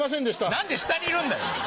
何で下にいるんだよ！